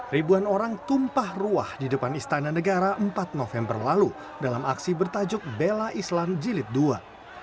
ribuan orang tumpah ruah di depan istana negara empat november lalu dalam aksi bertajuk bela islam jilid ii